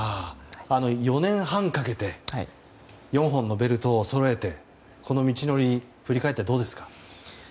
４年半かけて４本のベルトをそろえてこの道のりを振り返ってどうですか。